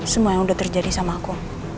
semua yang udah terjadi sama aku